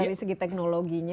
dari segi teknologinya